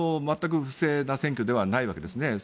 全く不正な選挙ではないわけですね。